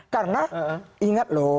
karena ingat loh